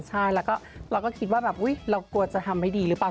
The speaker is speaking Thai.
ใช่แล้วก็เราก็คิดว่าแบบอุ๊ยเรากลัวจะทำไม่ดีหรือเปล่า